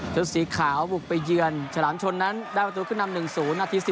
สีขาวบุกไปเยือนฉลามชนนั้นได้ประตูขึ้นนำ๑๐นาที๔